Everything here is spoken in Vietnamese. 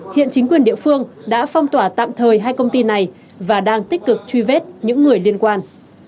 hiện chính quyền địa phương đã phong tỏa tạm thời hai công ty này và đang tích cực truy vết những người liên quan